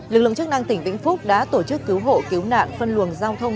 lực lượng chức năng tỉnh vĩnh phúc đã tổ chức cứu hộ cứu nạn phân luồng giao thông